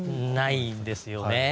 ないですよね。